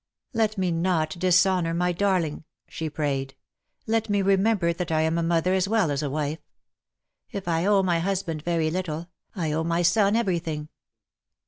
'* Let me not dishonour my darling,^^ she prayed. *' Let me remember that I am a mother as well as a wife. If I owe my husband very little, I owe my son everything.'